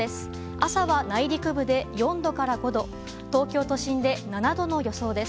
朝は内陸部で４度から５度東京都心で７度の予想です。